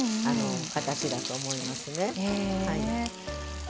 形だと思いますね。